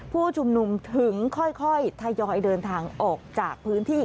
ผู้ชุมนุมถึงค่อยทยอยเดินทางออกจากพื้นที่